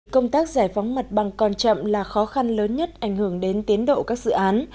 công tác giải phóng mặt bằng còn chậm là khó khăn lớn nhất ảnh hưởng đến tiến độ các dự án